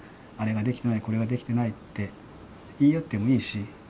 あれができていないこれができていないと言い合ってもいいし。